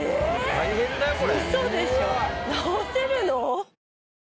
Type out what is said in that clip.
大変だよこれ。